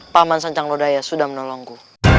paman sanjang lodaya sudah menolongku